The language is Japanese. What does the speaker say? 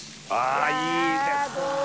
あいいですね